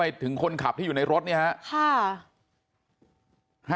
ถึงคนขับที่อยู่ในรถเนี่ยฮะ